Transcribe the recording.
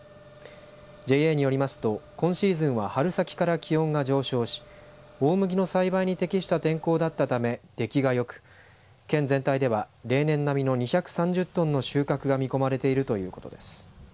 ＪＡによりますと今シーズンは春先から気温が上昇し大麦の栽培に適した天候だったため出来がよく県全体では例年並みの２３０トンの収穫が見込まれているということです。